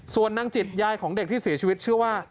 ส่วนนางจิตยายของเด็กที่เสียชีวิตชื่อว่า